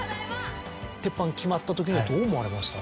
『てっぱん』決まったときにはどう思われました？